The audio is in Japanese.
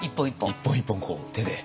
一本一本こう手で。